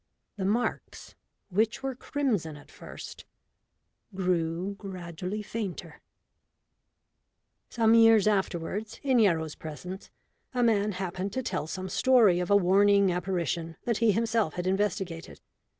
The marks, which were crimson at first, grew gradually fainter. Some years afterwards, in Yarrow's presence, a man happened to tell some story of a warning apparition that he himself had investigated.